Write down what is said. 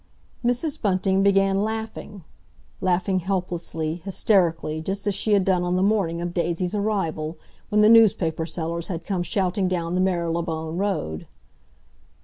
Mrs. Bunting began laughing—laughing helplessly, hysterically, just as she had done on the morning of Daisy's arrival, when the newspaper sellers had come shouting down the Marylebone Road.